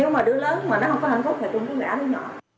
nếu mà đứa lớn mà nó không có hạnh phúc thì cũng gã đứa nhỏ